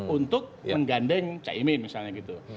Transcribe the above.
untuk menggandeng caimin misalnya gitu